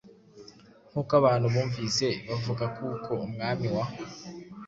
Nkuko abantu bumvise bavugakuko umwami wa